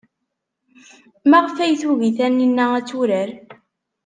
Maɣef ay tugi Taninna ad turar?